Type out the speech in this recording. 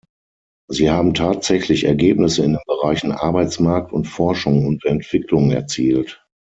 Sie haben tatsächlich Ergebnisse in den Bereichen Arbeitsmarkt und Forschung und Entwicklung erzielt.